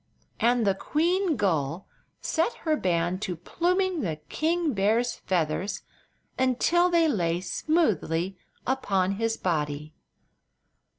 And the queen gull set her band to pluming the king bear's feathers until they lay smoothly upon his body.